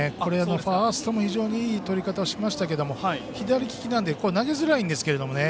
ファーストも非常にいいとり方をしましたが左利きなので投げづらいんですけどね。